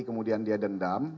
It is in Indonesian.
kemudian dia dendam